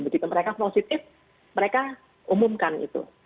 begitu mereka positif mereka umumkan itu